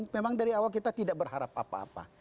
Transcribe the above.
memang dari awal kita tidak berharap apa apa